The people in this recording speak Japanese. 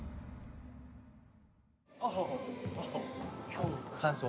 今日の感想。